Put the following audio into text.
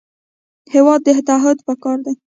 هېواد ته تعهد پکار دی